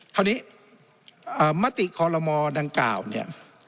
คราวนี้มติคอลโลมอดังเก่า